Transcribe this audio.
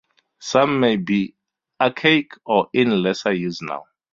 Some may be archaic or in lesser use now.